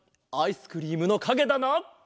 アイスクリームのかげだな？